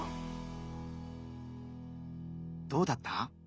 どうだった？